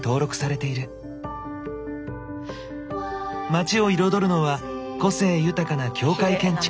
街を彩るのは個性豊かな教会建築。